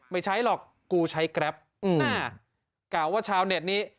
ไม่ใช้หรอกกูใช้แกรปกล่าวว่าชาวเน็ตนี้